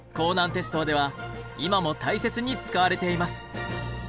鉄道では今も大切に使われています。